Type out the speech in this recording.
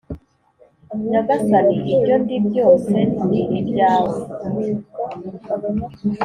nyagasani ibyo ndi byose ni ibyawe